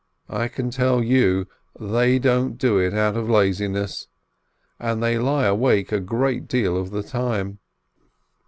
I can tell you, They don't do it out of laziness, and they lie awake a great part of the time.